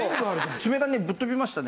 爪がねぶっ飛びましたね。